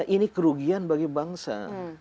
ini kerugian bagi bangsa